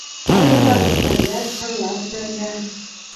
Ҡайһылары семәрләп, һырлап эшләнгән.